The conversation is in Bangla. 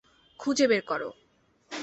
খুঁজে বের করো।